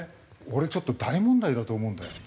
俺ちょっと大問題だと思うんだよ。